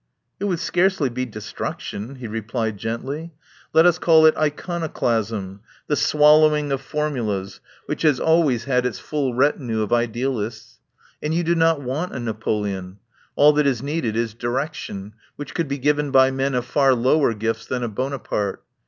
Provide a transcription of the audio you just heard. "It would scarcely be destruction," he re plied gently. "Let us call it iconoclasm, the swallowing of formulas, which has always had 79 THE POWER HOUSE its full retinue of idealists. And you do not want a Napoleon. All that is needed is direc tion, which could be given by men of far lower gifts than a Bonaparte.